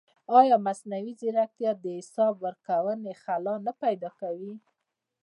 ایا مصنوعي ځیرکتیا د حساب ورکونې خلا نه پیدا کوي؟